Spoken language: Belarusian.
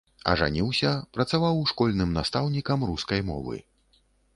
Ажаніўся, працаваў школьным настаўнікам рускай мовы.